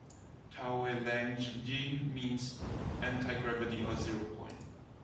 Tauelangi means antigravity or Zero Point.